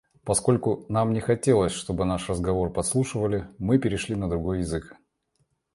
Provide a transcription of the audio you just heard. Поскольку нам не хотелось, чтобы наш разговор подслушивали, мы перешли на другой язык.